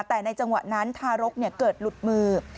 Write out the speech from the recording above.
แต่ในจังหวะนั้นทารกเกิดหลุดมือ